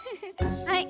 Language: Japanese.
はい！